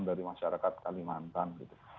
dari masyarakat kalimantan gitu